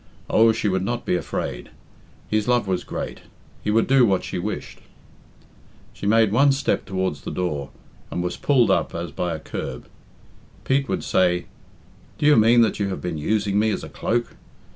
Oh, she would not be afraid. His love was great. He would do what she wished. She made one step towards the door, and was pulled up as by a curb. Pete would say, "Do you mean that you have been using me as a cloak?